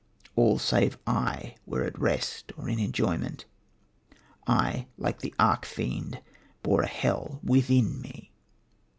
All save I were at rest or in enjoyment. I, like the arch fiend, bore a hell within me."